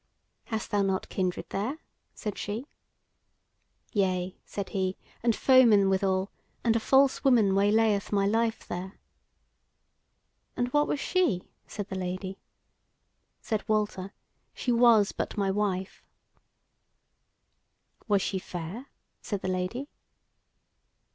"Hast thou not kindred there?" said she. "Yea," said he, "and foemen withal; and a false woman waylayeth my life there." "And what was she?" said the Lady. Said Walter: "She was but my wife." "Was she fair?" said the Lady.